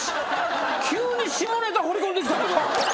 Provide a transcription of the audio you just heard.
急に下ネタ放り込んできたけど。